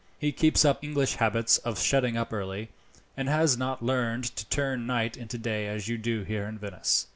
He keeps up his English habits of shutting up early, and has not learned to turn night into day as you do here in Venice."